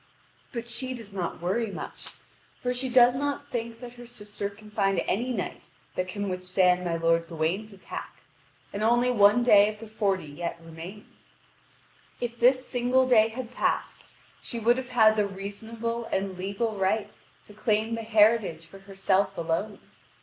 But she does not worry much, for she does not think that her sister can find any knight who can withstand my lord Gawain's attack, and only one day of the forty yet remains. If this single day had passed, she would have had the reasonable and legal right to claim the heritage for herself alone.